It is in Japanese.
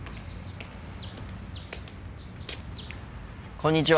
こんにちは。